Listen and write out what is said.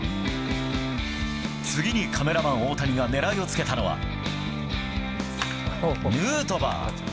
次にカメラマン、大谷がねらいをつけたのは、ヌートバー。